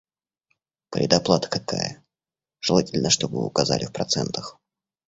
Предоплата какая? Желательно, чтобы вы указали в процентах.